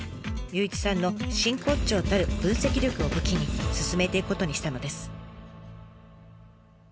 祐一さんの真骨頂たる分析力を武器に進めていくことにしたのです。